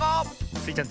スイちゃん